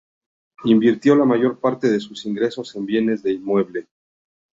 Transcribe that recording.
Invirtió la mayor parte de sus ingresos en bienes de inmueble.